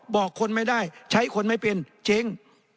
บอกคนไม่ได้ใช้คนไม่เป็นเจ๊ง